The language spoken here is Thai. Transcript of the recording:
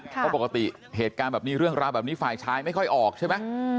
เพราะปกติเหตุการณ์แบบนี้เรื่องราวแบบนี้ฝ่ายชายไม่ค่อยออกใช่ไหม